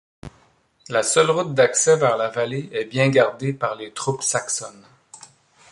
La seule route d'accès vers la vallée est bien gardée par les troupes saxonnes.